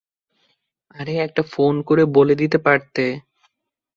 আরে একটা ফোন করে বলে দিতে পারতে।